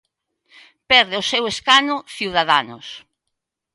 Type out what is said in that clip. Perde o seu escano Ciudadanos.